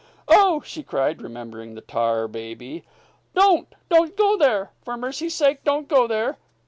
"Oh!" she cried, remembering the tar baby. "Don't! Don't go there! For mercy's sake, don't go there!"